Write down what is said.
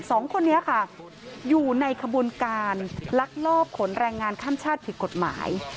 สองคนนี้ค่ะอยู่ในขบวนการลักลอบขนแรงงานข้ามชาติผิดกฎหมาย